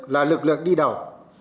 là lực lượng đi đầu